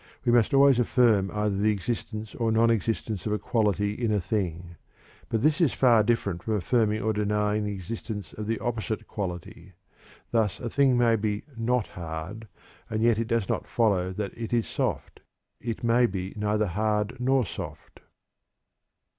We must always affirm either the existence or non existence of a quality in a thing; but this is far different from affirming or denying the existence of the opposite quality. Thus a thing may be "not hard" and yet it does not follow that it is "soft"; it may be neither hard nor soft.